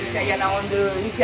eh ada yang nangon kita